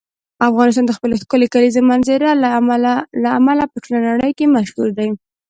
افغانستان د خپلې ښکلې کلیزو منظره له امله په ټوله نړۍ کې مشهور دی.